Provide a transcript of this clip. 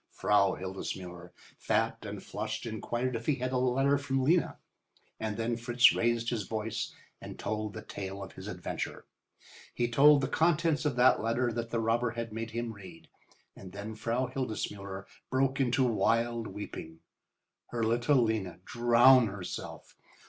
Frau Hildesmuller, fat and flushed, inquired if he had a letter from Lena, and then Fritz raised his voice and told the tale of his adventure. He told the contents of that letter that the robber had made him read, and then Frau Hildesmuller broke into wild weeping. Her little Lena drown herself!